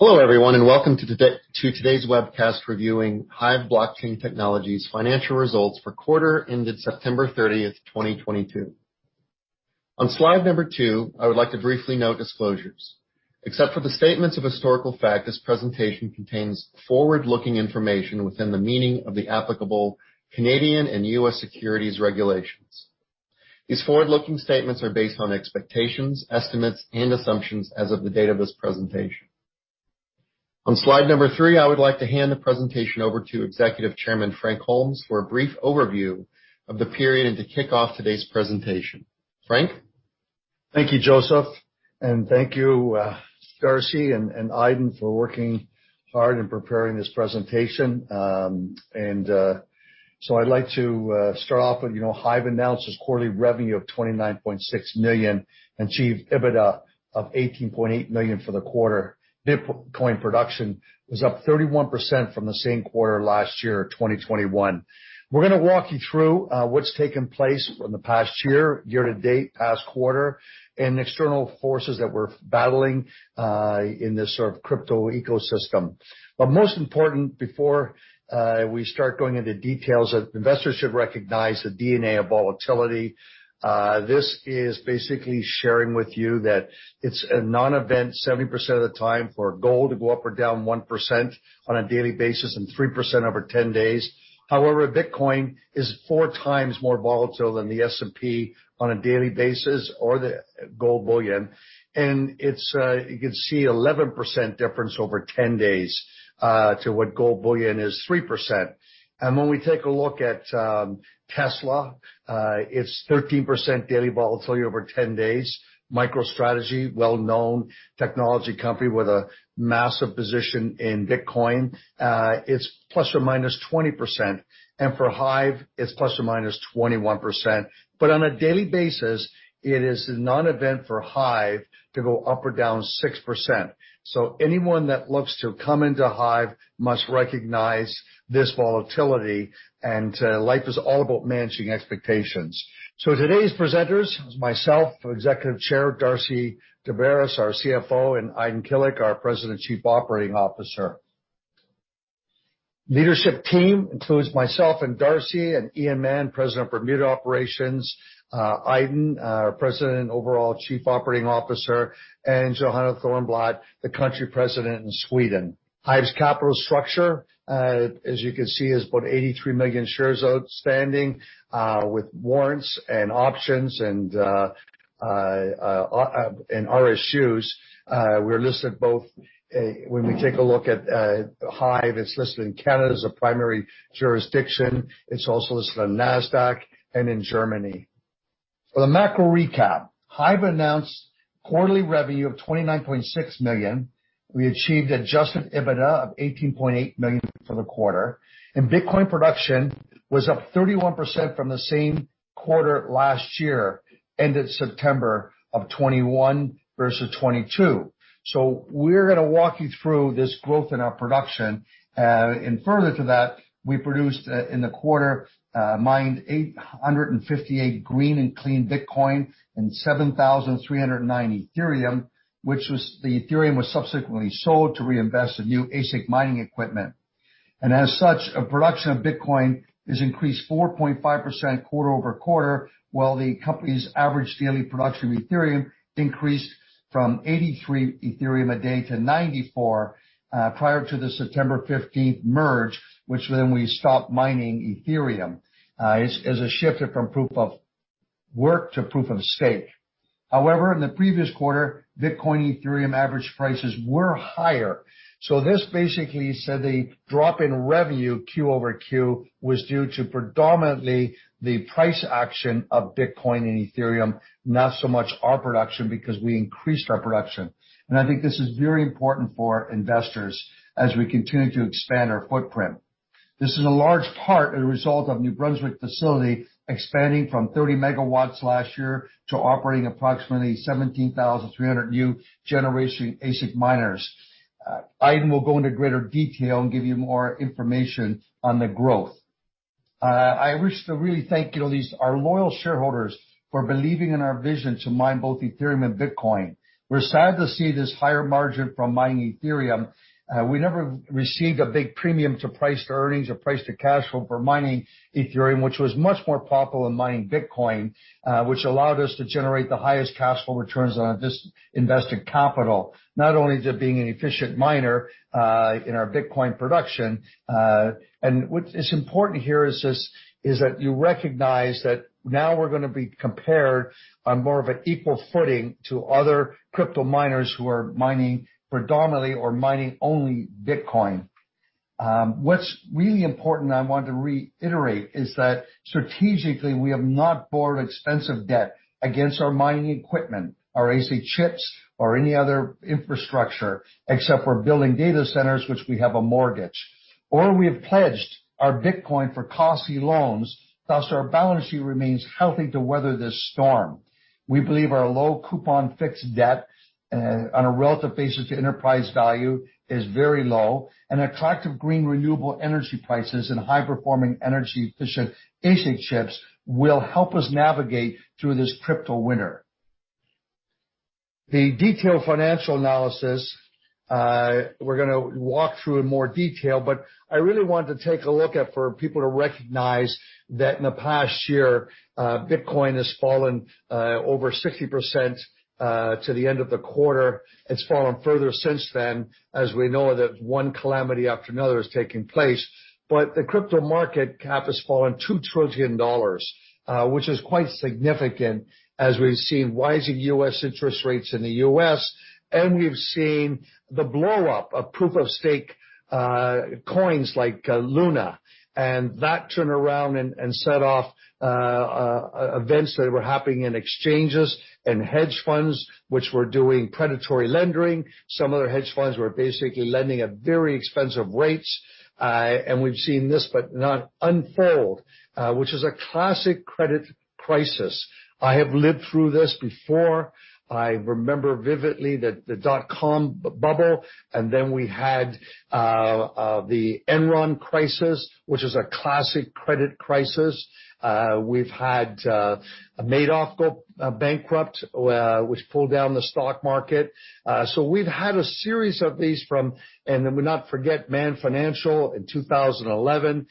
Hello, everyone, and welcome to today's webcast reviewing HIVE Blockchain Technologies financial results for quarter ended September 30th, 2022. On slide two, I would like to briefly note disclosures. Except for the statements of historical fact, this presentation contains forward-looking information within the meaning of the applicable Canadian and U.S. securities regulations. These forward-looking statements are based on expectations, estimates, and assumptions as of the date of this presentation. On slide three, I would like to hand the presentation over to Executive Chairman Frank Holmes for a brief overview of the period and to kick off today's presentation. Frank. Thank you, Joseph. Thank you, Darcy and Aydin for working hard in preparing this presentation. I'd like to start off with, you know, HIVE announced its quarterly revenue of 29.6 million, achieved EBITDA of 18.8 million for the quarter. Bitcoin production was up 31% from the same quarter last year, 2021. We're gonna walk you through what's taken place in the past year to date, past quarter, and external forces that we're battling in this sort of crypto ecosystem. Most important, before we start going into details, investors should recognize the DNA of volatility. This is basically sharing with you that it's a non-event 70% of the time for gold to go up or down 1% on a daily basis and 3% over 10 days. However, Bitcoin is 4x more volatile than the S&P on a daily basis or the gold bullion. It's you can see 11% difference over 10 days to what gold bullion is, 3%. When we take a look at Tesla, it's 13% daily volatility over 10 days. MicroStrategy, well-known technology company with a massive position in Bitcoin, it's ±20%. For HIVE, it's ±21%. On a daily basis, it is a non-event for HIVE to go up or down 6%. Anyone that looks to come into HIVE must recognize this volatility, and life is all about managing expectations. Today's presenters is myself, Executive Chair, Darcy Daubaras, our CFO, and Aydin Kilic, our President, Chief Operating Officer. Leadership team includes myself and Darcy and Ian Mann, President of Bermuda Operations, Aydin, President, overall Chief Operating Officer, and Johanna Thörnblad, the Country President in Sweden. HIVE's capital structure, as you can see, is about 83 million shares outstanding, with warrants and options and RSUs. We're listed both, when we take a look at HIVE, it's listed in Canada as a primary jurisdiction. It's also listed on Nasdaq and in Germany. For the macro recap, HIVE announced quarterly revenue of 29.6 million. We achieved adjusted EBITDA of 18.8 million for the quarter. Bitcoin production was up 31% from the same quarter last year, ended September of 2021 versus 2022. We're gonna walk you through this growth in our production. Further to that, we produced in the quarter mined 858 green and clean Bitcoin and 7,390 Ethereum, the Ethereum was subsequently sold to reinvest in new ASIC mining equipment. As such, production of Bitcoin is increased 4.5% quarter-over-quarter, while the company's average daily production of Ethereum increased from 83 Ethereum a day to 94 prior to the September 15th merge, which then we stopped mining Ethereum as a shift from Proof of Work to Proof of Stake. However, in the previous quarter, Bitcoin and Ethereum average prices were higher. This basically said the drop in revenue Q-over-Q was due to predominantly the price action of Bitcoin and Ethereum, not so much our production because we increased our production. I think this is very important for investors as we continue to expand our footprint. This is in large part a result of New Brunswick facility expanding from 30 MW last year to operating approximately 17,300 new generation ASIC miners. Aydin will go into greater detail and give you more information on the growth. I wish to really thank, you know, these, our loyal shareholders for believing in our vision to mine both Ethereum and Bitcoin. We're sad to see this higher margin from mining Ethereum. We never received a big premium to price to earnings or price to cash flow for mining Ethereum, which was much more profitable than mining Bitcoin, which allowed us to generate the highest cash flow returns on invested capital, not only to being an efficient miner, in our Bitcoin production. What is important here is that you recognize that now we're gonna be compared on more of an equal footing to other crypto miners who are mining predominantly or mining only Bitcoin. What's really important I want to reiterate is that strategically we have not borrowed expensive debt against our mining equipment, our ASIC chips or any other infrastructure, except for building data centers which we have a mortgage, or we have pledged our Bitcoin for costly loans, thus our balance sheet remains healthy to weather this storm. We believe our low coupon fixed debt, on a relative basis to enterprise value is very low, and attractive green renewable energy prices and high-performing energy-efficient ASIC chips will help us navigate through this crypto winter. The detailed financial analysis, we're gonna walk through in more detail, but I really want to take a look at for people to recognize that in the past year, Bitcoin has fallen, over 60%, to the end of the quarter. It's fallen further since then, as we know that one calamity after another is taking place. The crypto market cap has fallen $2 trillion, which is quite significant as we've seen rising U.S. interest rates in the U.S., and we've seen the blow-up of Proof of Stake, coins like, Luna. That turned around and set off events that were happening in exchanges and hedge funds which were doing predatory lending. Some other hedge funds were basically lending at very expensive rates. We've seen this but not unfold, which is a classic credit crisis. I have lived through this before. I remember vividly that the dot-com bubble, and then we had the Enron crisis, which is a classic credit crisis. We've had Madoff go bankrupt, which pulled down the stock market. We've had a series of these from. Then we not forget Man Financial in 2011.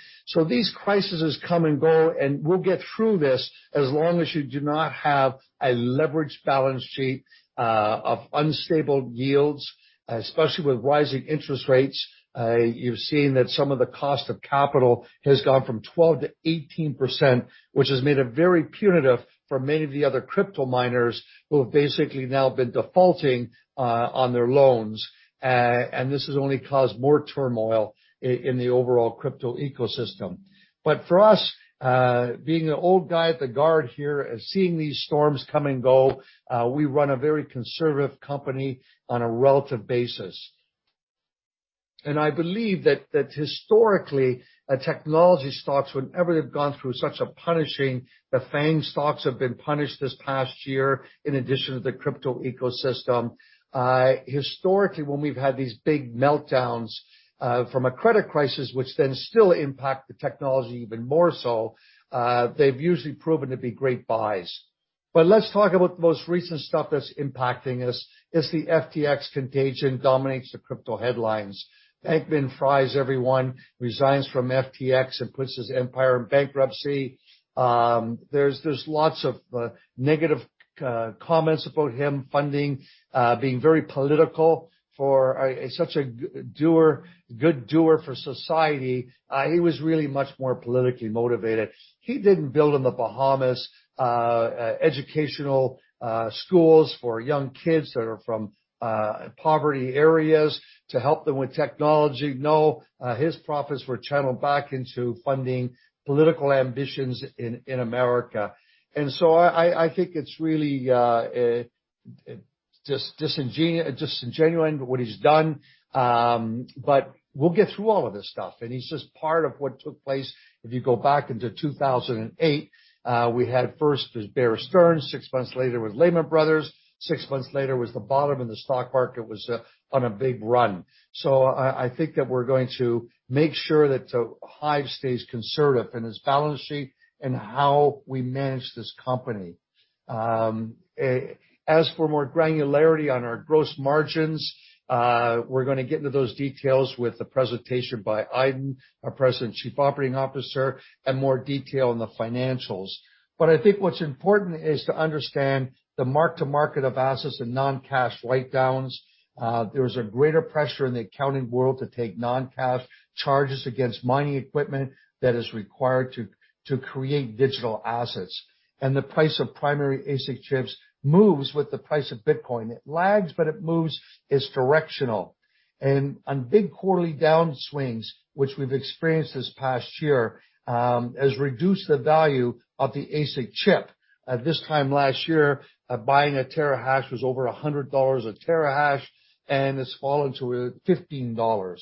These crises come and go, and we'll get through this as long as you do not have a leveraged balance sheet of unstable yields, especially with rising interest rates. You've seen that some of the cost of capital has gone from 12%-18%, which has made it very punitive for many of the other crypto miners who have basically now been defaulting on their loans. This has only caused more turmoil in the overall crypto ecosystem. For us, being an old guy at the vanguard here and seeing these storms come and go, we run a very conservative company on a relative basis. I believe that historically, technology stocks, whenever they've gone through such a punishing, the FAANG stocks have been punished this past year in addition to the crypto ecosystem. Historically, when we've had these big meltdowns from a credit crisis, which then still impact the technology even more so, they've usually proven to be great buys. Let's talk about the most recent stuff that's impacting us. The FTX contagion dominates the crypto headlines. Sam Bankman-Fried, everyone, resigns from FTX and puts his empire in bankruptcy. There's lots of negative comments about him funding, being very political for such a do-gooder for society. He was really much more politically motivated. He didn't build in the Bahamas educational schools for young kids that are from poverty areas to help them with technology. No, his profits were channeled back into funding political ambitions in America. I think it's really disingenuous what he's done. We'll get through all of this stuff. He's just part of what took place. If you go back into 2008, we had first was Bear Stearns, six months later was Lehman Brothers, six months later was the bottom, and the stock market was on a big run. I think that we're going to make sure that Hive stays conservative in its balance sheet and how we manage this company. As for more granularity on our gross margins, we're gonna get into those details with the presentation by Aydin, our President and Chief Operating Officer, and more detail on the financials. I think what's important is to understand the mark-to-market of assets and non-cash write-downs. There is a greater pressure in the accounting world to take non-cash charges against mining equipment that is required to create digital assets. The price of primary ASIC chips moves with the price of Bitcoin. It lags, but it moves. It's directional. On big quarterly downswings, which we've experienced this past year, has reduced the value of the ASIC chip. At this time last year, buying a terahash was over $100 a terahash, and it's fallen to $15.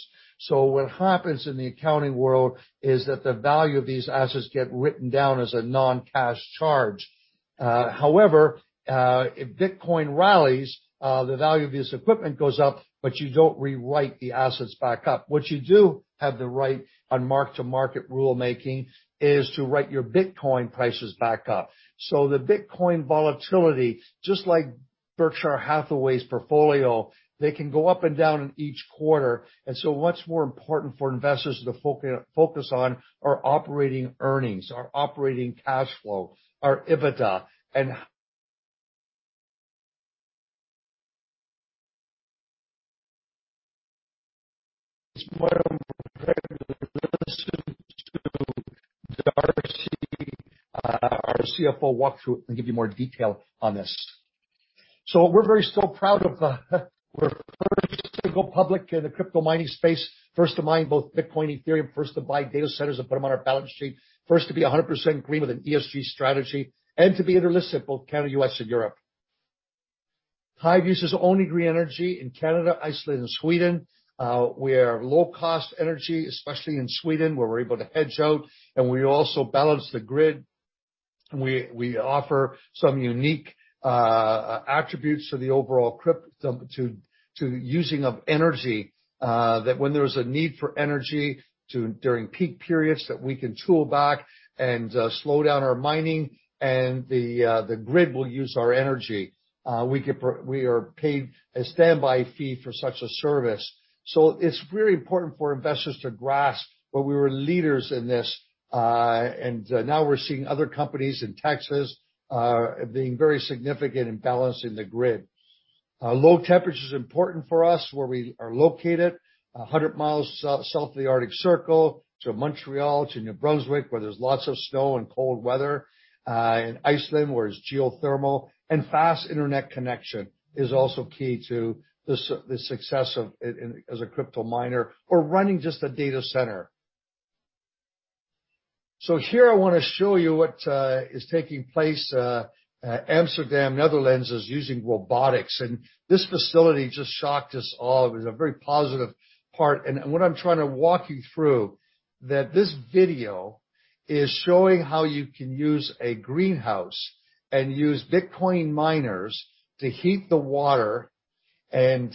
What happens in the accounting world is that the value of these assets get written down as a non-cash charge. However, if Bitcoin rallies, the value of this equipment goes up, but you don't rewrite the assets back up. What you do have the right on mark-to-market rulemaking, is to write your Bitcoin prices back up. The Bitcoin volatility, just like Berkshire Hathaway's portfolio, they can go up and down in each quarter. What's more important for investors to focus on are operating earnings or operating cash flow or EBITDA. Tomorrow, our CFO will walk through and give you more detail on this. We're still very proud that we're first to go public in the crypto mining space, first to mine both Bitcoin and Ethereum, first to buy data centers and put them on our balance sheet, first to be 100% green with an ESG strategy, and to be interlisted in both Canada, U.S. and Europe. HIVE uses only green energy in Canada, Iceland, and Sweden. We have low-cost energy, especially in Sweden, where we're able to hedge out, and we also balance the grid. We offer some unique attributes to the overall crypto to the use of energy, that when there's a need for energy during peak periods, that we can throttle back and slow down our mining and the grid will use our energy. We are paid a standby fee for such a service. It's very important for investors to grasp that we were leaders in this, and now we're seeing other companies in Texas being very significant in balancing the grid. Low temperature is important for us, where we are located, 100 miles south of the Arctic Circle, to Montreal, to New Brunswick, where there's lots of snow and cold weather, in Iceland, where it's geothermal. Fast internet connection is also key to the success of it as a crypto miner or running just a data center. Here I wanna show you what is taking place. Amsterdam, Netherlands, is using robotics, and this facility just shocked us all. It was a very positive part. What I'm trying to walk you through, that this video is showing how you can use a greenhouse and use Bitcoin miners to heat the water and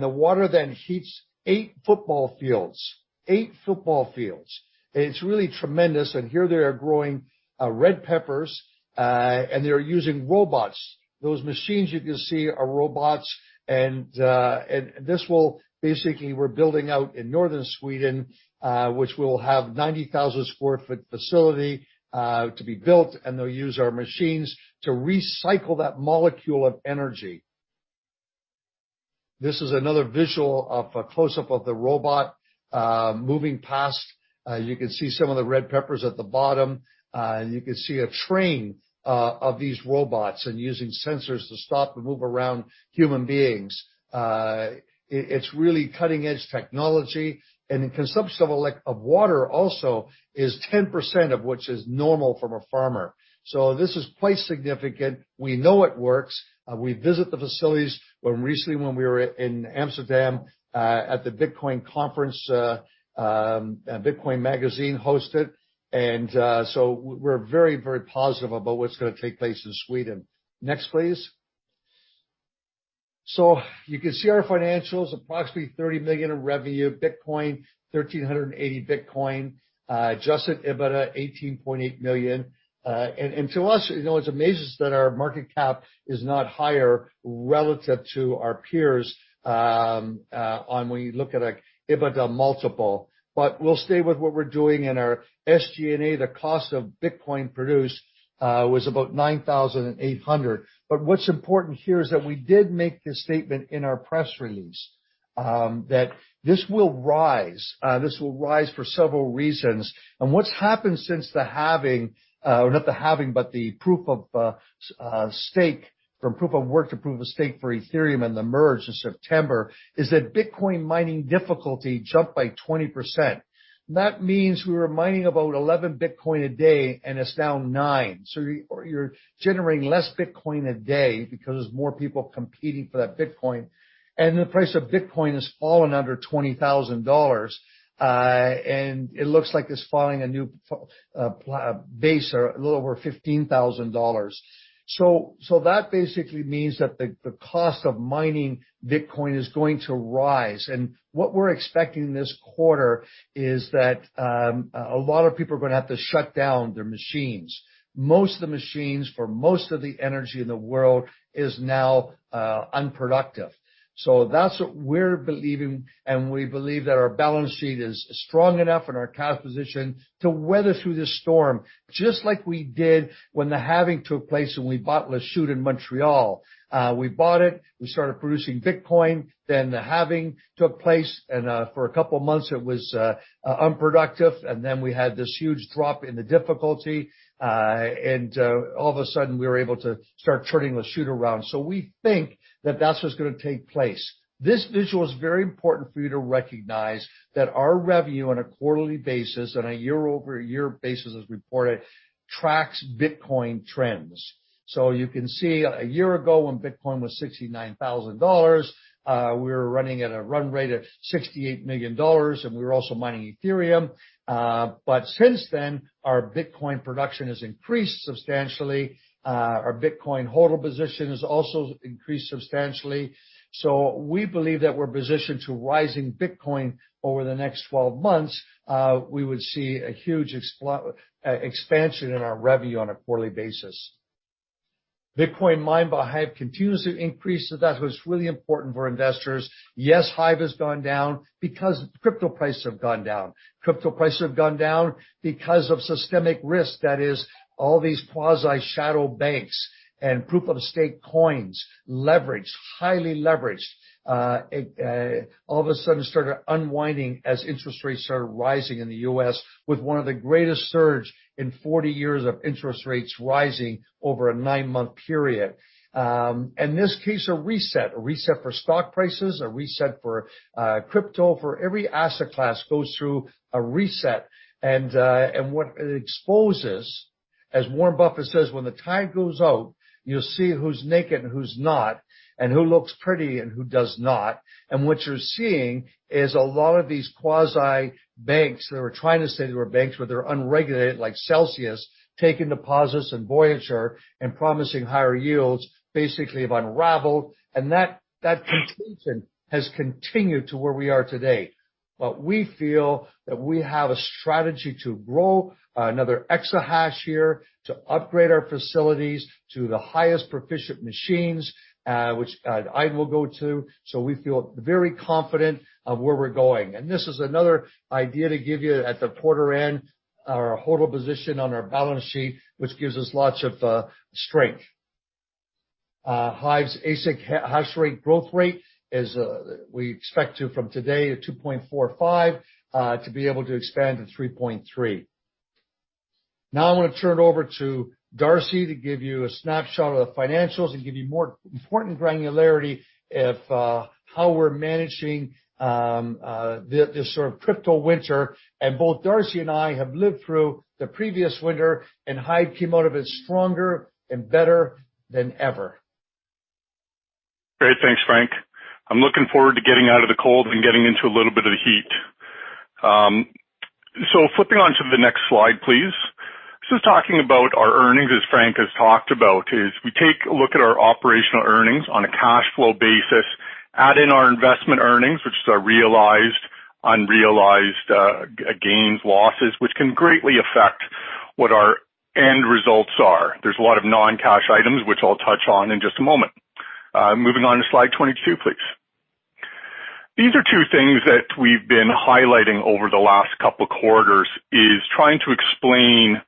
the water then heats eight football fields. Eight football fields. It's really tremendous. Here they are growing red peppers and they are using robots. Those machines you can see are robots. This will basically we're building out in northern Sweden, which will have 90,000 sq ft facility to be built, and they'll use our machines to recycle that molecule of energy. This is another visual of a close-up of the robot moving past. You can see some of the red peppers at the bottom. You can see a train of these robots and using sensors to stop and move around human beings. It's really cutting-edge technology. The consumption of water also is 10% of what is normal from a farmer. This is quite significant. We know it works. We visit the facilities recently when we were in Amsterdam at the Bitcoin conference Bitcoin Magazine hosted. We're very positive about what's gonna take place in Sweden. Next, please. You can see our financials, approximately 30 million in revenue, Bitcoin, 1,380 Bitcoin, adjusted EBITDA 18.8 million. To us, you know, it's amazing that our market cap is not higher relative to our peers when you look at an EBITDA multiple. We'll stay with what we're doing. Our SG&A, the cost of Bitcoin produced, was about 9,800. What's important here is that we did make this statement in our press release, that this will rise for several reasons. What's happened since the halving, not the halving, but proof of stake, from Proof of Work to Proof of Stake for Ethereum and the merge in September, is that Bitcoin mining difficulty jumped by 20%. That means we were mining about 11 Bitcoin a day, and it's now nine. You're generating less Bitcoin a day because there's more people competing for that Bitcoin. The price of Bitcoin has fallen under $20,000. It looks like it's finding a new base or a little over $15,000. That basically means that the cost of mining Bitcoin is going to rise. What we're expecting this quarter is that a lot of people are gonna have to shut down their machines. Most of the machines, for most of the energy in the world is now unproductive. That's what we're believing, and we believe that our balance sheet is strong enough and our composition to weather through this storm, just like we did when the Halving took place, and we bought Lachute in Montreal. We bought it, we started producing Bitcoin, then the Halving took place, and for a couple of months it was unproductive, and then we had this huge drop in the difficulty. All of a sudden, we were able to start turning Lachute around. We think that that's what's gonna take place. This visual is very important for you to recognize. That our revenue on a quarterly basis and a year-over-year basis, as reported, tracks Bitcoin trends. You can see a year ago, when Bitcoin was $69,000, we were running at a run rate of $68 million, and we were also mining Ethereum. But since then, our Bitcoin production has increased substantially. Our Bitcoin HODL position has also increased substantially. We believe that we're positioned to rising Bitcoin over the next 12 months. We would see a huge expansion in our revenue on a quarterly basis. Bitcoin mined by HIVE continues to increase, so that was really important for investors. Yes, HIVE has gone down because crypto prices have gone down. Crypto prices have gone down because of systemic risk, that is all these quasi-shadow banks and Proof of Stake coins, leveraged, highly leveraged, all of a sudden started unwinding as interest rates started rising in the U.S. with one of the greatest surges in 40 years of interest rates rising over a nine-month period. In this case, a reset for stock prices, a reset for crypto. Every asset class goes through a reset. What it exposes, as Warren Buffett says, when the tide goes out, you'll see who's naked and who's not, and who looks pretty and who does not. What you're seeing is a lot of these quasi banks that were trying to say they were banks, but they're unregulated, like Celsius, taking deposits in Voyager and promising higher yields basically have unraveled. That contention has continued to where we are today. We feel that we have a strategy to grow another exahash here, to upgrade our facilities to the highest efficient machines, which I will go to. We feel very confident of where we're going. This is another idea to give you at the quarter end, our HODL position on our balance sheet, which gives us lots of strength. HIVE's ASIC hash rate growth rate is, we expect to from today at 2.45, to be able to expand to 3.3. Now, I wanna turn it over to Darcy to give you a snapshot of the financials and give you more important granularity of how we're managing this sort of crypto winter. Both Darcy and I have lived through the previous winter, and HIVE came out of it stronger and better than ever. Great. Thanks, Frank. I'm looking forward to getting out of the cold and getting into a little bit of the heat. Flipping on to the next slide, please. Talking about our earnings, as Frank has talked about, is we take a look at our operational earnings on a cash flow basis, add in our investment earnings, which is our realized, unrealized, gains, losses, which can greatly affect what our end results are. There's a lot of non-cash items, which I'll touch on in just a moment. Moving on to slide 22, please. These are two things that we've been highlighting over the last couple of quarters, is trying to explain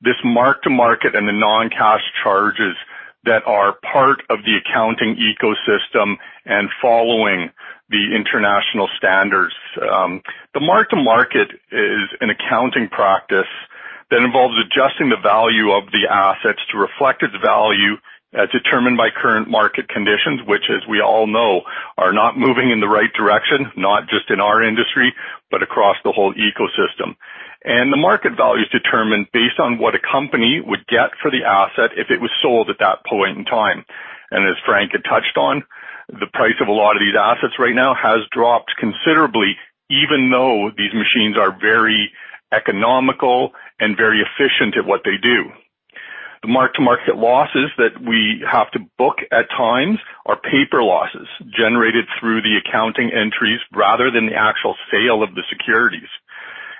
this market-to-market and the non-cash charges that are part of the accounting ecosystem and following the international standards. The market-to-market is an accounting practice that involves adjusting the value of the assets to reflect its value as determined by current market conditions, which, as we all know, are not moving in the right direction, not just in our industry, but across the whole ecosystem. The market value is determined based on what a company would get for the asset if it was sold at that point in time. As Frank had touched on, the price of a lot of these assets right now has dropped considerably, even though these machines are very economical and very efficient at what they do. The market-to-market losses that we have to book at times are paper losses generated through the accounting entries rather than the actual sale of the securities.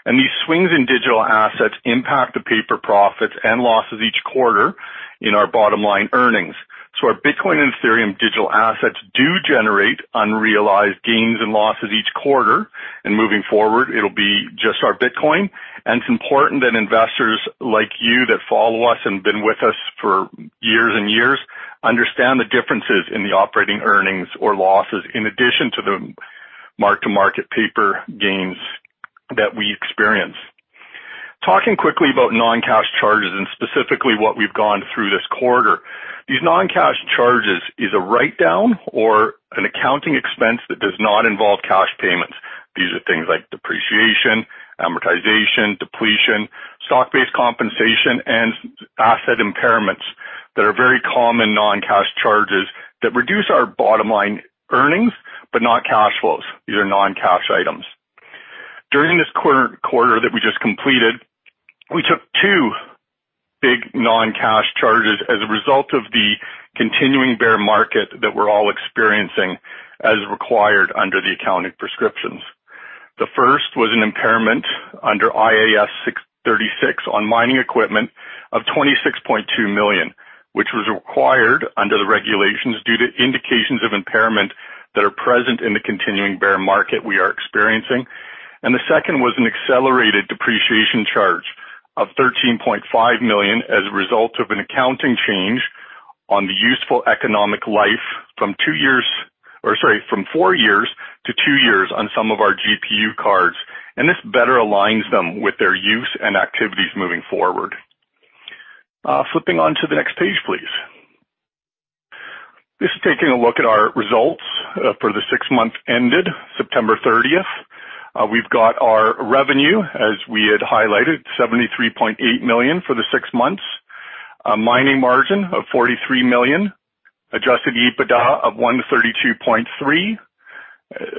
These swings in digital assets impact the paper profits and losses each quarter in our bottom line earnings. Our Bitcoin and Ethereum digital assets do generate unrealized gains and losses each quarter. Moving forward, it'll be just our Bitcoin. It's important that investors like you that follow us and been with us for years and years understand the differences in the operating earnings or losses, in addition to the market-to-market paper gains that we experience. Talking quickly about non-cash charges and specifically what we've gone through this quarter. These non-cash charges is a write-down or an accounting expense that does not involve cash payments. These are things like depreciation, amortization, depletion, stock-based compensation, and asset impairments that are very common non-cash charges that reduce our bottom line earnings, but not cash flows. These are non-cash items. During this quarter that we just completed, we took two big non-cash charges as a result of the continuing bear market that we're all experiencing, as required under the accounting prescriptions. The first was an impairment under IAS 36 on mining equipment of 26.2 million, which was required under the regulations due to indications of impairment that are present in the continuing bear market we are experiencing. The second was an accelerated depreciation charge of 13.5 million as a result of an accounting change on the useful economic life from four years to two years on some of our GPU cards, and this better aligns them with their use and activities moving forward. Flipping on to the next page, please. This is taking a look at our results for the six months ended September 30th. We've got our revenue, as we had highlighted, 73.8 million for the six months. A mining margin of 43 million, adjusted EBITDA of 132.3.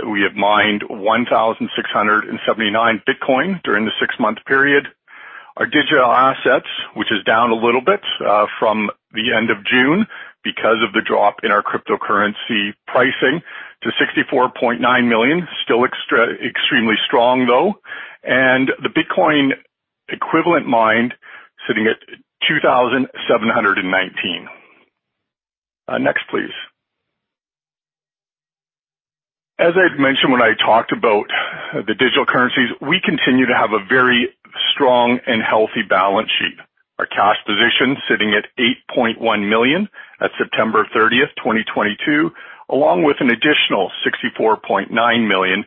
We have mined 1,679 Bitcoin during the six-month period. Our digital assets, which is down a little bit, from the end of June because of the drop in our cryptocurrency pricing to 64.9 million. Still extraordinarily strong, though. The Bitcoin equivalent mined sitting at 2,719. Next, please. As I'd mentioned when I talked about the digital currencies, we continue to have a very strong and healthy balance sheet. Our cash position sitting at 8.1 million at September 30th, 2022, along with an additional 64.9 million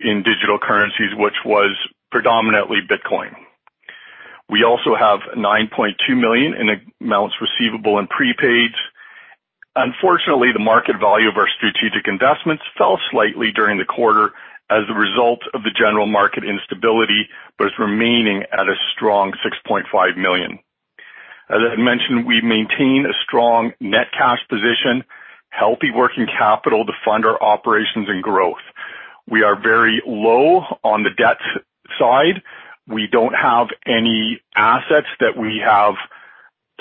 in digital currencies, which was predominantly Bitcoin. We also have 9.2 million in amounts receivable and prepaids. Unfortunately, the market value of our strategic investments fell slightly during the quarter as a result of the general market instability, but is remaining at a strong 6.5 million. As I mentioned, we maintain a strong net cash position, healthy working capital to fund our operations and growth. We are very low on the debt side. We don't have any assets that we have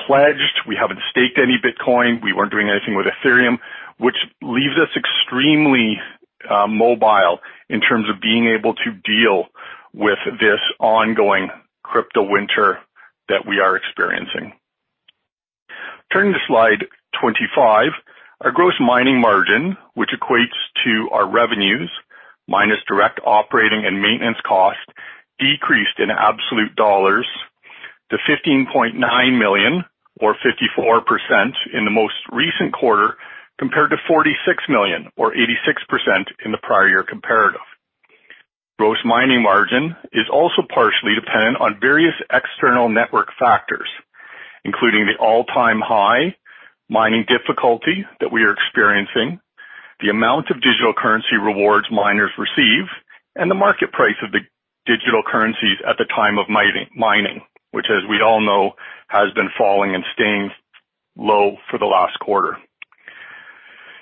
pledged. We haven't staked any Bitcoin. We weren't doing anything with Ethereum, which leaves us extremely mobile in terms of being able to deal with this ongoing crypto winter that we are experiencing. Turning to slide 25. Our gross mining margin, which equates to our revenues minus direct operating and maintenance costs, decreased in absolute dollars to 15.9 million or 54% in the most recent quarter, compared to 46 million or 86% in the prior year comparative. Gross mining margin is also partially dependent on various external network factors, including the all-time high mining difficulty that we are experiencing, the amount of digital currency rewards miners receive, and the market price of the digital currencies at the time of mining, which as we all know, has been falling and staying low for the last quarter.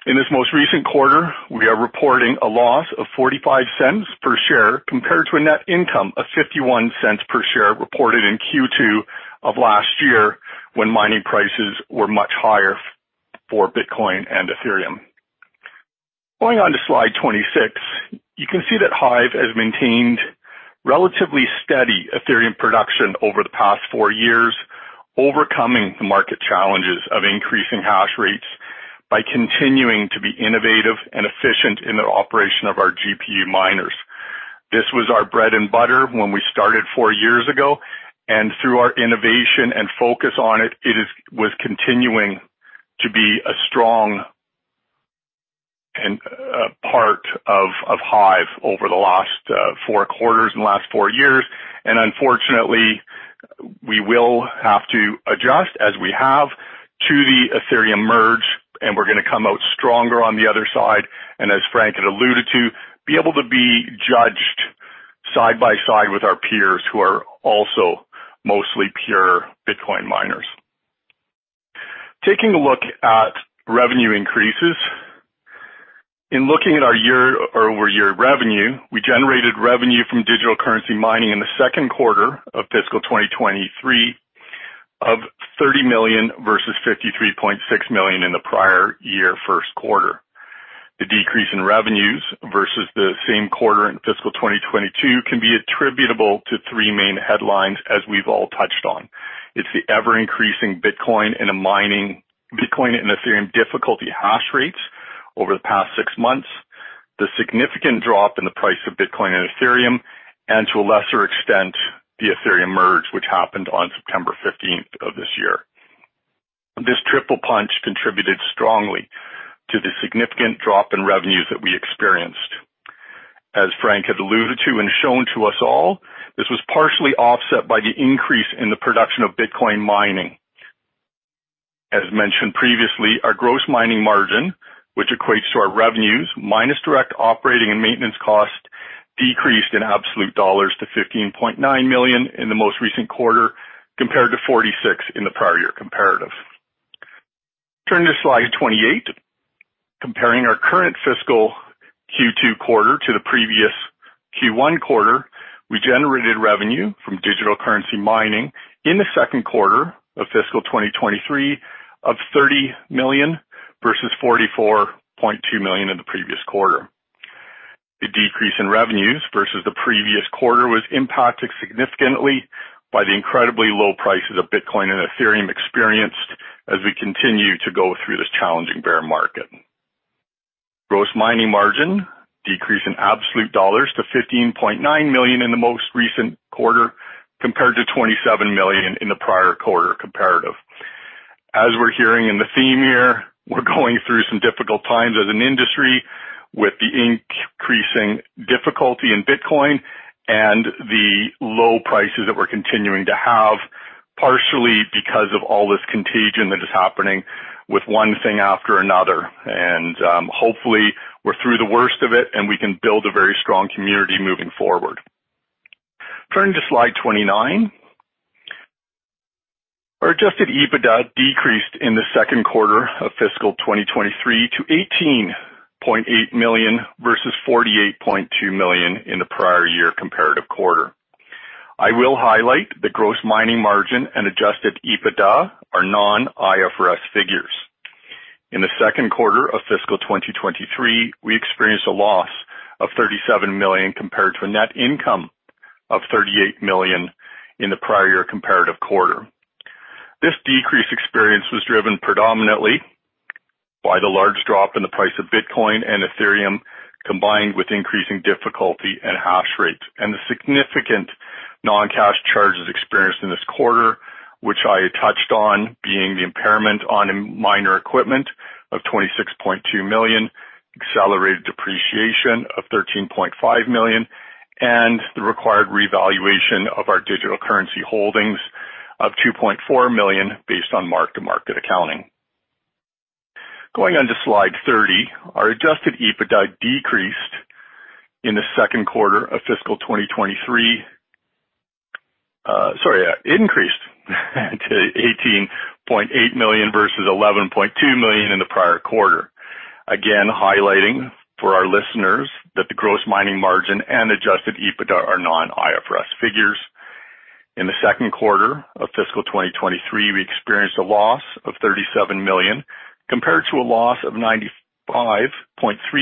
In this most recent quarter, we are reporting a loss of 0.45 per share compared to a net income of 0.51 per share reported in Q2 of last year when mining prices were much higher for Bitcoin and Ethereum. Going on to slide 26. You can see that HIVE has maintained relatively steady Ethereum production over the past four years, overcoming the market challenges of increasing hash rates by continuing to be innovative and efficient in the operation of our GPU miners. This was our bread and butter when we started four years ago and through our innovation and focus on it, was continuing to be a strong and part of HIVE over the last four quarters and the last four years. Unfortunately, we will have to adjust as we have to the Ethereum Merge, and we're gonna come out stronger on the other side and as Frank had alluded to, be able to be judged side by side with our peers who are also mostly pure Bitcoin miners. Taking a look at revenue increases. In looking at our year-over-year revenue, we generated revenue from digital currency mining in the second quarter of fiscal 2023 of 30 million versus 53.6 million in the prior year first quarter. The decrease in revenues versus the same quarter in fiscal 2022 can be attributable to three main headlines as we've all touched on. It's the ever-increasing Bitcoin mining and Ethereum difficulty hash rates over the past six months, the significant drop in the price of Bitcoin and Ethereum, and to a lesser extent, the Ethereum Merge, which happened on September 15th of this year. This triple punch contributed strongly to the significant drop in revenues that we experienced. As Frank had alluded to and shown to us all, this was partially offset by the increase in the production of Bitcoin mining. As mentioned previously, our gross mining margin, which equates to our revenues minus direct operating and maintenance costs, decreased in absolute dollars to 15.9 million in the most recent quarter compared to 46 million in the prior year comparative. Turning to slide 28. Comparing our current fiscal Q2 quarter to the previous Q1 quarter, we generated revenue from digital currency mining in the second quarter of fiscal 2023 of 30 million versus 44.2 million in the previous quarter. The decrease in revenues versus the previous quarter was impacted significantly by the incredibly low prices of Bitcoin and Ethereum experienced as we continue to go through this challenging bear market. Gross mining margin decreased in absolute dollars to 15.9 million in the most recent quarter compared to 27 million in the prior quarter comparative. As we're hearing in the theme here, we're going through some difficult times as an industry with the increasing difficulty in Bitcoin and the low prices that we're continuing to have, partially because of all this contagion that is happening with one thing after another. Hopefully we're through the worst of it and we can build a very strong community moving forward. Turning to slide 29. Our adjusted EBITDA decreased in the second quarter of fiscal 2023 to 18.8 million versus 48.2 million in the prior year comparative quarter. I will highlight the gross mining margin and adjusted EBITDA are non-IFRS figures. In the second quarter of fiscal 2023, we experienced a loss of 37 million compared to a net income of 38 million in the prior year comparative quarter. This decrease experience was driven predominantly by the large drop in the price of Bitcoin and Ethereum, combined with increasing difficulty and hash rates, and the significant non-cash charges experienced in this quarter, which I touched on, being the impairment on miner equipment of 26.2 million. Accelerated depreciation of 13.5 million and the required revaluation of our digital currency holdings of 2.4 million based on mark-to-market accounting. Going on to slide 30. Our adjusted EBITDA increased to 18.8 million versus 11.2 million in the prior quarter. Again, highlighting for our listeners that the gross mining margin and adjusted EBITDA are non-IFRS figures. In the second quarter of fiscal 2023, we experienced a loss of 37 million compared to a loss of 95.3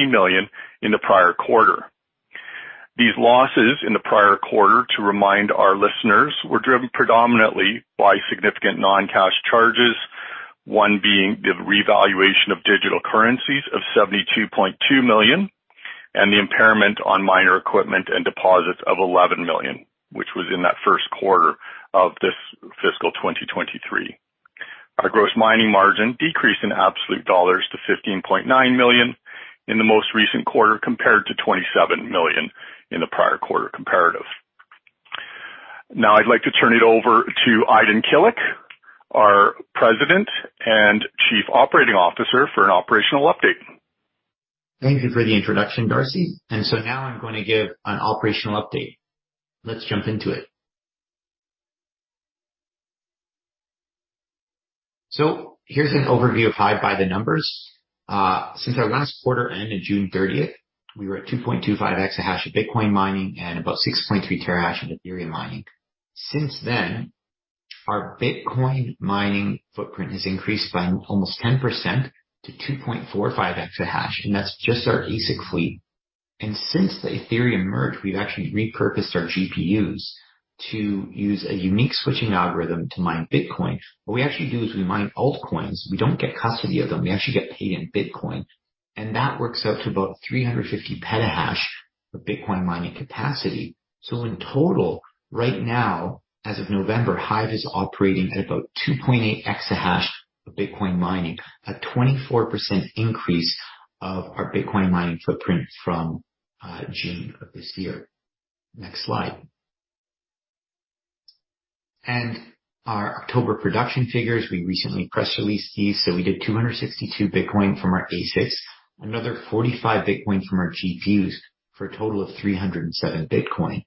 million in the prior quarter. These losses in the prior quarter, to remind our listeners, were driven predominantly by significant non-cash charges. One being the revaluation of digital currencies of $72.2 million and the impairment on minor equipment and deposits of $11 million, which was in that first quarter of this fiscal 2023. Our gross mining margin decreased in absolute dollars to $15.9 million in the most recent quarter, compared to $27 million in the prior quarter comparative. Now I'd like to turn it over to Aydin Kilic, our President and Chief Operating Officer for an operational update. Thank you for the introduction, Darcy. Now I'm going to give an operational update. Let's jump into it. Here's an overview of HIVE by the numbers. Since our last quarter ended June 30th, we were at 2.25 exahash of Bitcoin mining and about 6.3 terahash in Ethereum mining. Since then, our Bitcoin mining footprint has increased by almost 10% to 2.45 exahash, and that's just our ASIC fleet. Since the Ethereum Merge, we've actually repurposed our GPUs to use a unique switching algorithm to mine Bitcoin. What we actually do is we mine altcoins. We don't get custody of them. We actually get paid in Bitcoin. That works out to about 350 petahash of Bitcoin mining capacity. In total, right now, as of November, HIVE is operating at about 2.8 exahash of Bitcoin mining, a 24% increase of our Bitcoin mining footprint from June of this year. Next slide. Our October production figures, we recently press released these. We did 262 Bitcoin from our ASICs, another 45 Bitcoin from our GPUs for a total of 307 Bitcoin.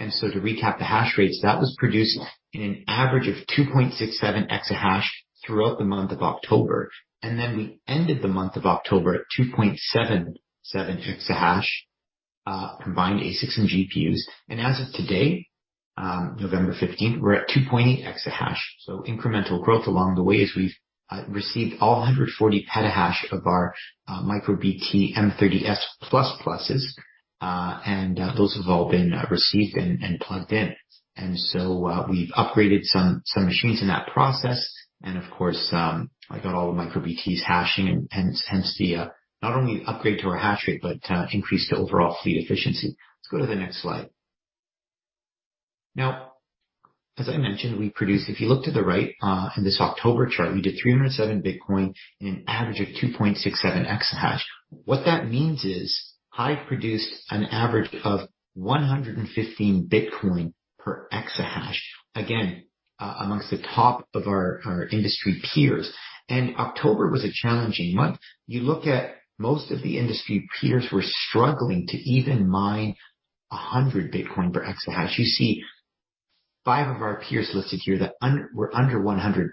To recap the hash rates, that was produced in an average of 2.67 exahash throughout the month of October. We ended the month of October at 2.77 exahash combined ASICs and GPUs. As of today, November 15th, we're at 2.8 exahash. Incremental growth along the way as we've received all 140 petahash of our MicroBT M30S++. And those have all been received and plugged in. We've upgraded some machines in that process and of course got all the MicroBT's hashing and hence the not only upgrade to our hash rate but increase the overall fleet efficiency. Let's go to the next slide. Now, as I mentioned, we produced. If you look to the right in this October chart, we did 307 Bitcoin in an average of 2.67 exahash. What that means is Hive produced an average of 115 Bitcoin per exahash. Again, amongst the top of our industry peers. October was a challenging month. You look at most of the industry peers were struggling to even mine 100 Bitcoin per exahash. You see five of our peers listed here that were under 100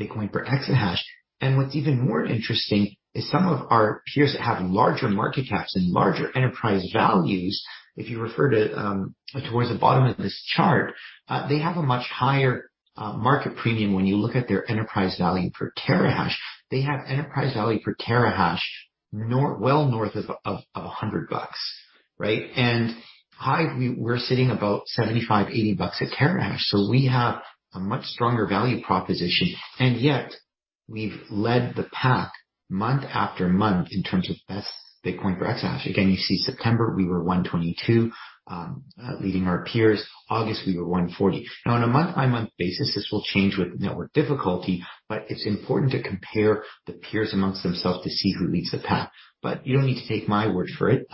Bitcoin per exahash. What's even more interesting is some of our peers that have larger market caps and larger enterprise values, if you refer to towards the bottom of this chart, they have a much higher market premium when you look at their enterprise value per terahash. They have enterprise value per terahash north, well north of $100, right? Hive, we're sitting about $75-$80 a terahash. We have a much stronger value proposition, and yet we've led the pack month after month in terms of best Bitcoin per exahash. Again, you see September we were 122, leading our peers. August we were 140. Now on a month-by-month basis, this will change with network difficulty, but it's important to compare the peers among themselves to see who leads the pack. You don't need to take my word for it.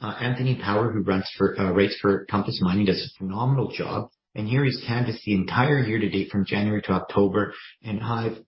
Anthony Power, who runs rates for Compass Mining does a phenomenal job. Here he's canvassed the entire year to date from January to October, and HIVE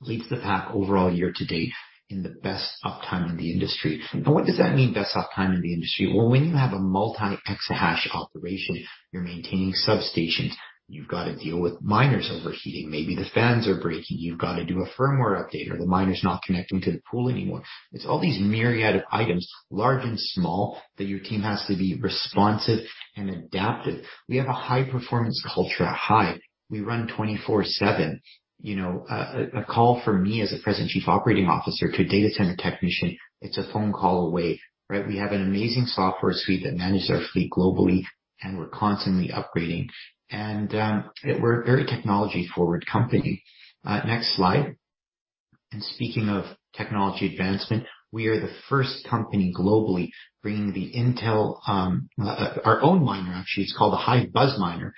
leads the pack overall year to date in the best uptime in the industry. Now, what does that mean, best uptime in the industry? Well, when you have a multi-exahash operation, you're maintaining substations. You've got to deal with miners overheating. Maybe the fans are breaking. You've got to do a firmware update, or the miner's not connecting to the pool anymore. It's all these myriad of items, large and small, that your team has to be responsive and adaptive. We have a high performance culture at HIVE. We run 24/7. You know, a call for me as President and Chief Operating Officer to a data center technician, it's a phone call away, right? We have an amazing software suite that manages our fleet globally, and we're constantly upgrading and, we're a very technology forward company. Next slide. Speaking of technology advancement, we are the first company globally bringing the Intel our own miner actually. It's called the HIVE BuzzMiner,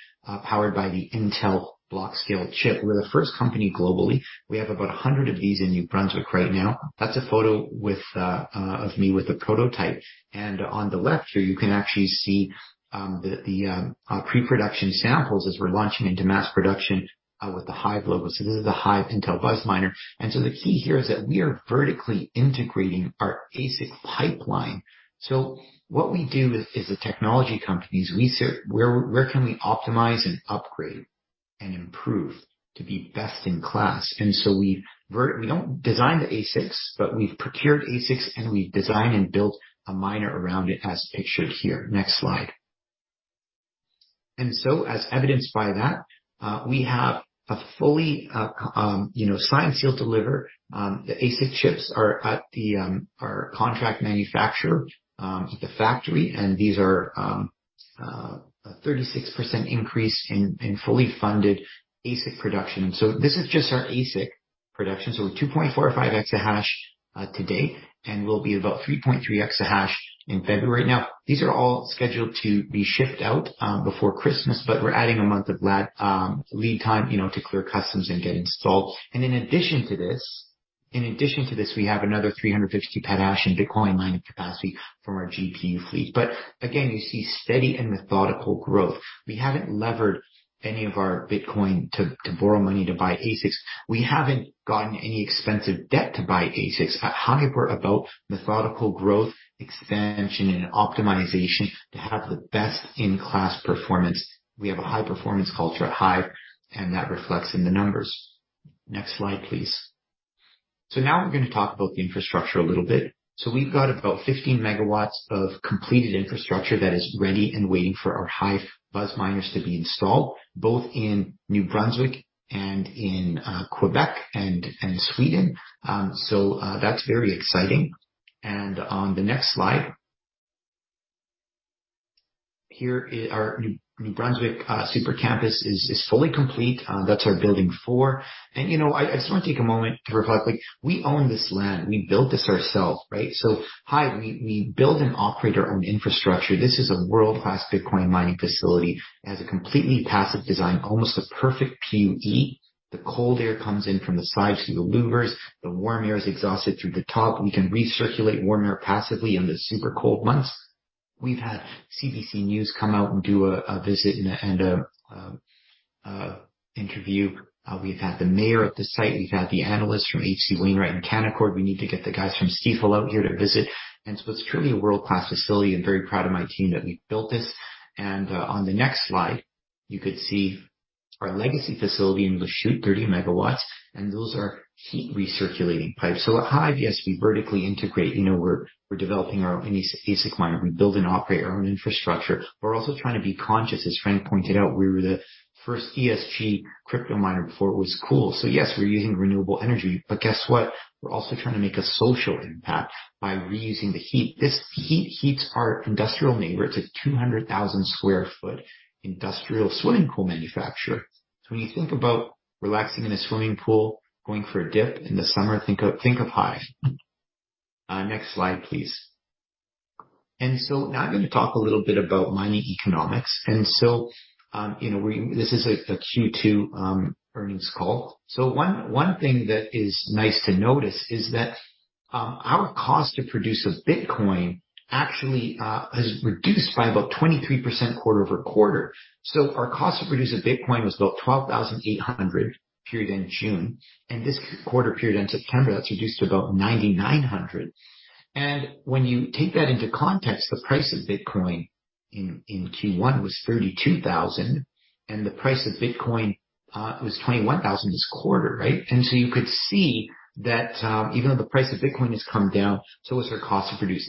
powered by the Intel Blockscale chip. We're the first company globally. We have about 100 of these in New Brunswick right now. That's a photo of me with a prototype. On the left here, you can actually see the pre-production samples as we're launching into mass production with the HIVE logo. This is a HIVE Intel BuzzMiner. The key here is that we are vertically integrating our ASIC pipeline. What we do as a technology company is we search where we can optimize and upgrade and improve to be best in class. We don't design the ASICs, but we've procured ASICs, and we design and built a miner around it as pictured here. Next slide. As evidenced by that, we have a fully you know, signed, sealed, delivered. The ASIC chips are at our contract manufacturer at the factory. These are a 36% increase in fully funded ASIC production. This is just our ASIC production. We're 2.4 or 5 exahash today, and we'll be about 3.3 exahash in February. Now, these are all scheduled to be shipped out before Christmas, but we're adding a month of lead time, you know, to clear customs and get installed. In addition to this, we have another 350 petahash in Bitcoin mining capacity from our GPU fleet. Again, you see steady and methodical growth. We haven't levered any of our Bitcoin to borrow money to buy ASICs. We haven't gotten any expensive debt to buy ASICs. At Hive, we're about methodical growth, expansion, and optimization to have the best in class performance. We have a high performance culture at Hive, and that reflects in the numbers. Next slide, please. Now we're gonna talk about the infrastructure a little bit. We've got about 15 MW of completed infrastructure that is ready and waiting for our HIVE BuzzMiners to be installed, both in New Brunswick and in Quebec and Sweden. That's very exciting. On the next slide. Here is our New Brunswick super campus is fully complete. That's our Building Four. You know, I just wanna take a moment to reflect. Like, we own this land. We built this ourselves, right? HIVE, we build and operate our own infrastructure. This is a world-class Bitcoin mining facility. It has a completely passive design, almost a perfect PUE. The cold air comes in from the sides through the louvers. The warm air is exhausted through the top. We can recirculate warm air passively in the super cold months. We've had CBC News come out and do an interview. We've had the mayor at the site. We've had the analysts from H.C. Wainwright and Canaccord. We need to get the guys from Stifel out here to visit. It's truly a world-class facility. I'm very proud of my team that we've built this. On the next slide, you could see our legacy facility in Lachute, 30 MW, and those are heat recirculating pipes. At Hive, yes, we vertically integrate. You know, we're developing our own ASIC miner. We build and operate our own infrastructure. We're also trying to be conscious, as Frank pointed out, we were the first ESG crypto miner before it was cool. Yes, we're using renewable energy, but guess what? We're also trying to make a social impact by reusing the heat. This heat heats our industrial neighbor. It's a 200,000 sq ft industrial swimming pool manufacturer. When you think about relaxing in a swimming pool, going for a dip in the summer, think of HIVE. Next slide, please. Now I'm gonna talk a little bit about mining economics. You know, this is a Q2 earnings call. One thing that is nice to notice is that our cost to produce a Bitcoin actually has reduced by about 23% quarter-over-quarter. Our cost to produce a Bitcoin was about $12,800 period end June, and this quarter period end September, that's reduced to about $9,900. When you take that into context, the price of Bitcoin in Q1 was $32,000, and the price of Bitcoin was $21,000 this quarter, right? You could see that, even though the price of Bitcoin has come down, so has our cost to produce.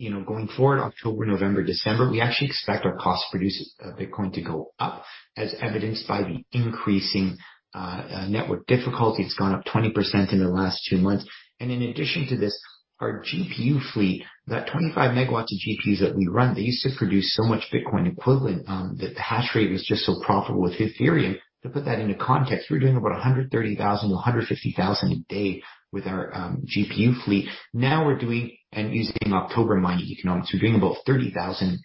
Now, you know, going forward, October, November, December, we actually expect our cost to produce Bitcoin to go up as evidenced by the increasing network difficulty. It's gone up 20% in the last two months. In addition to this, our GPU fleet, that 25 MW of GPUs that we run, they used to produce so much Bitcoin equivalent, that the hash rate was just so profitable with Ethereum. To put that into context, we're doing about 130,000-150,000 a day with our GPU fleet. Now we're doing and using October mining economics, we're doing about 30,000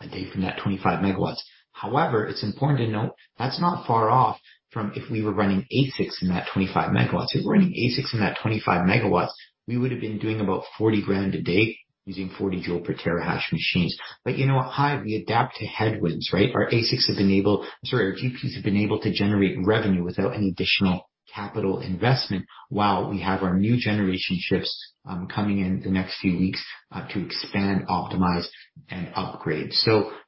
a day from that 25 MW. However, it's important to note that's not far off from if we were running ASICs in that 25 MW. If we're running ASICs in that 25 MW, we would've been doing about 40,000 a day using 40 joule per terahash machines. You know what? HIVE, we adapt to headwinds, right? Our ASICs have enabled—Sorry, our GPUs have been able to generate revenue without any additional capital investment while we have our new generation shipments coming in the next few weeks to expand, optimize, and upgrade.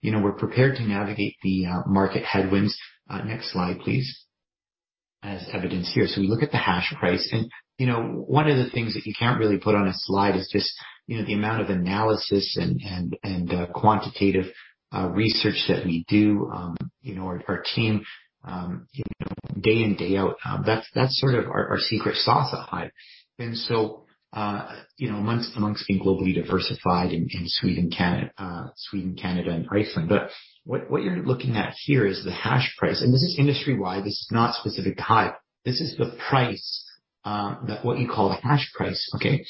You know, we're prepared to navigate the market headwinds. Next slide, please. As evidenced here. We look at the hash price and, you know, one of the things that you can't really put on a slide is just, you know, the amount of analysis and quantitative research that we do, you know, our team, you know, day in, day out. That's our secret sauce at Hive. You know, amongst being globally diversified in Sweden, Canada, and Iceland. What you're looking at here is the hash price, and this is industry-wide. This is not specific to Hive. This is the price that that's what you call the hash price. Okay.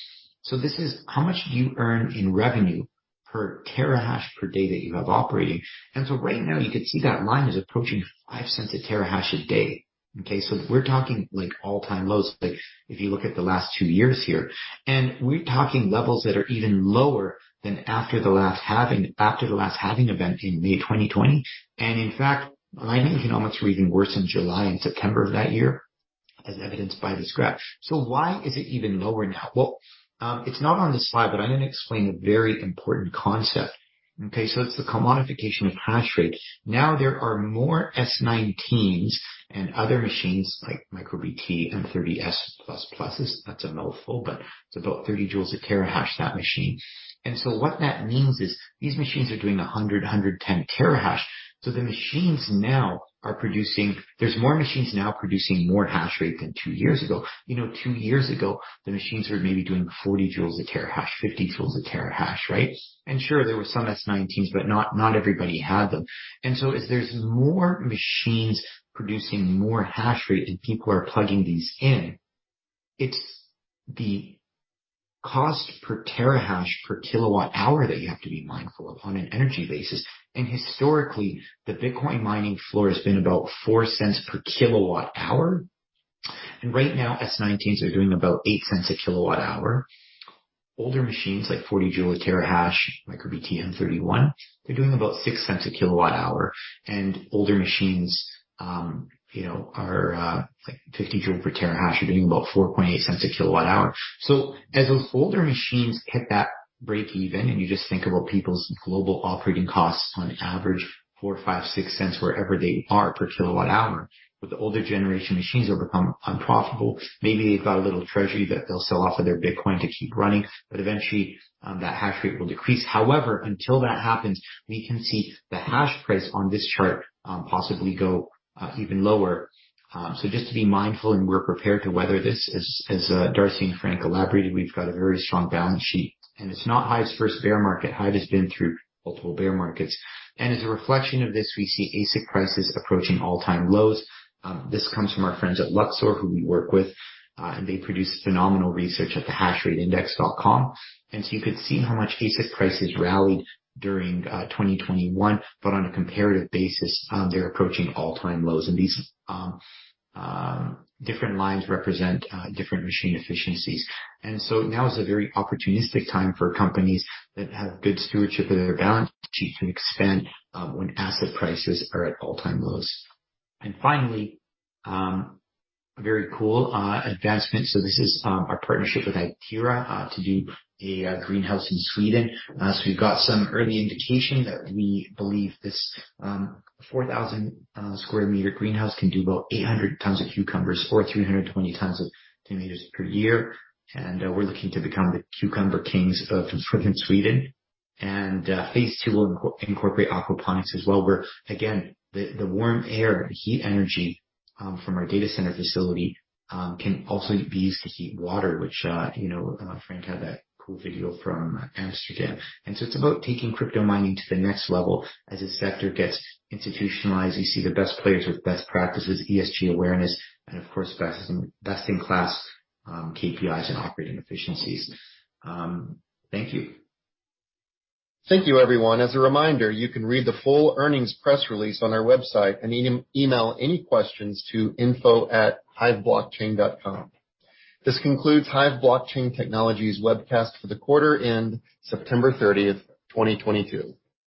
This is how much do you earn in revenue per terahash per day that you have operating. Right now you can see that line is approaching $0.05 a terahash a day. We're talking like all-time lows, like if you look at the last two years here, and we're talking levels that are even lower than after the last halving, after the last halving event in May 2020. In fact, mining economics were even worse in July and September of that year, as evidenced by this graph. Why is it even lower now? It's not on this slide, but I'm gonna explain a very important concept. It's the commodification of hash rate. Now, there are more S19s and other machines like MicroBT M30S++s. That's a mouthful, but it's about 30 joules per terahash, that machine. What that means is these machines are doing 110 terahash. There's more machines now producing more hash rate than two years ago. You know, two years ago, the machines were maybe doing 40 joules per terahash, 50 joules per terahash, right? Sure, there were some S19s, but not everybody had them. As there's more machines producing more hash rate and people are plugging these in, it's the cost per terahash, per Kilowatt-hour that you have to be mindful of on an energy basis. Historically, the Bitcoin mining floor has been about $0.04 per kWh. Right now, S19s are doing about $0.08 per kWh. Older machines like 40 joule per terahash, MicroBT M31, they're doing about $0.06 per kWh. Older machines, you know, like 50 joule per terahash, are doing about $0.048 per kWh. As those older machines hit that breakeven, and you just think about people's global operating costs on average $0.04, $0.05, $0.06 wherever they are per Kilowatt-hour, with the older generation machines, they'll become unprofitable. Maybe they've got a little treasury that they'll sell off of their Bitcoin to keep running, but eventually that hash rate will decrease. However, until that happens, we can see the hash price on this chart possibly go even lower. Just to be mindful and we're prepared to weather this. As Darcy and Frank elaborated, we've got a very strong balance sheet, and it's not HIVE's first bear market. HIVE has been through multiple bear markets. As a reflection of this, we see ASIC prices approaching all-time lows. This comes from our friends at Luxor who we work with. They produce phenomenal research at the hashrateindex.com. You could see how much ASIC prices rallied during 2021, but on a comparative basis, they're approaching all-time lows. These different lines represent different machine efficiencies. Now is a very opportunistic time for companies that have good stewardship of their balance sheet to expand when asset prices are at all-time lows. Finally, a very cool advancement. This is our partnership with Iperas to do a greenhouse in Sweden. We've got some early indication that we believe this 4,000 square meter greenhouse can do about 800 tons of cucumbers or 320 tons of tomatoes per year. We're looking to become the cucumber kings of southern Sweden. Phase two will incorporate aquaponics as well, where again, the warm air, the heat energy from our data center facility can also be used to heat water, which you know, Frank had that cool video from Amsterdam. It's about taking crypto mining to the next level. As this sector gets institutionalized, you see the best players with best practices, ESG awareness, and of course, best in class KPIs and operating efficiencies. Thank you. Thank you everyone. As a reminder, you can read the full earnings press release on our website and email any questions to info@hiveblockchain.com. This concludes HIVE Blockchain Technologies webcast for the quarter ended September 30th, 2022.